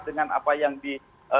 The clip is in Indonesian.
dengan apa yang di